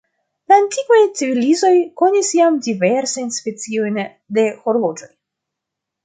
La antikvaj civilizoj konis jam diversajn speciojn de horloĝoj.